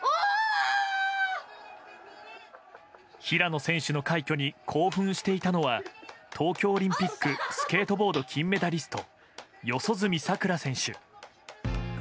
平野選手の快挙に興奮していたのは東京オリンピックスケートボード金メダリスト四十住さくら選手。